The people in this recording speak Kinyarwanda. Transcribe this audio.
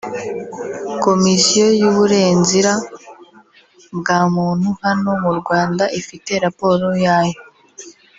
Komisiyo y’uburenzira bwa muntu hano mu Rwanda ifite raporo yayo